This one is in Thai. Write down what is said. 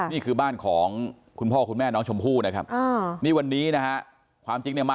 นี่คือบ้านของคุณพ่อคุณแม่น้องชมพู่นะครับ